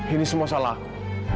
ini semua salah aku